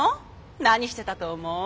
何してたと思う？